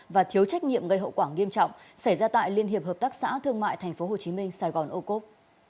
và thiếu trách nhiệm gây hậu quả nghiêm trọng xảy ra tại liên hiệp hợp tác xã thương mại tp hcm sài gòn âu cốp